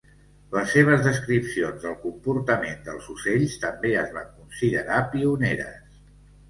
Les seves descripcions del comportament dels ocells també es van considerar pioneres.